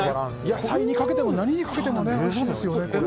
野菜にかけても何にかけてもおいしいですよね、これ。